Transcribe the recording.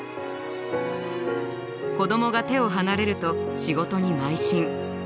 子どもが手を離れると仕事にまい進。